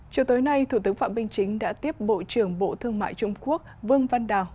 chiều tối nay thủ tướng phạm minh chính đã tiếp bộ trưởng bộ thương mại trung quốc vương văn đào